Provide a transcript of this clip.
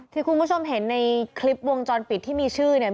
ที่คุณผู้ชมเห็นในคลิปวงจรปิดที่มีชื่อเนี่ย